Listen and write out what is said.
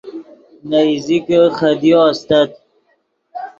نے ایزیکے خدیو استت